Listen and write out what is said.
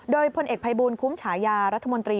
โดยพลเอกภัยบูลคุ้มฉายารัฐมนตรี